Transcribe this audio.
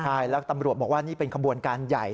ใช่แล้วตำรวจบอกว่านี่เป็นขบวนการใหญ่